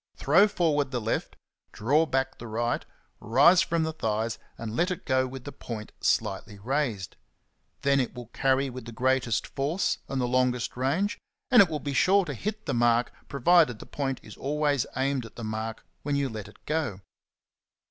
Throw forward the left, draw back the right, rise from the thighs, and let it go with the point slightly raised. Then it will carry with the greatest force and the longest range, and it will be sure to hit the , mark, provided the point is always aimed at the mark when you let it go.